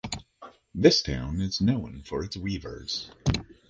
This town is known for its weavers.